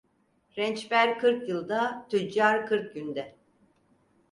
Rençper kırk yılda, tüccar kırk günde.